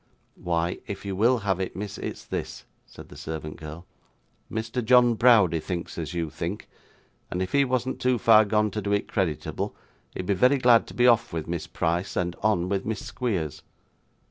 'Why, if you will have it, miss, it's this,' said the servant girl. 'Mr John Browdie thinks as you think; and if he wasn't too far gone to do it creditable, he'd be very glad to be off with Miss Price, and on with Miss Squeers.